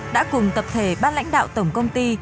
đã cùng tập thể ba lãnh đạo tổng công ty